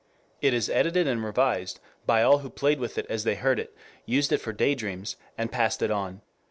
It is edited and revised by all who played with it as they heard it, used it for day dreams, and passed it on.